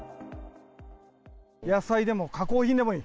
野菜でも加工品でもいい。